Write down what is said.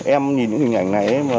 em nhìn những hình ảnh này